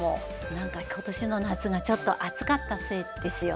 何か今年の夏がちょっと暑かったせいですよね。